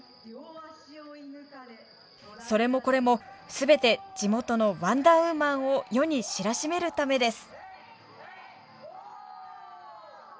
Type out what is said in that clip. それもこれも全て地元のワンダーウーマンを世に知らしめるためです。